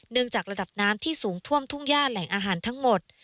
จากระดับน้ำที่สูงท่วมทุ่งย่าแหล่งอาหารทั้งหมด